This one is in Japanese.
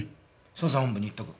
捜査本部に言っとく。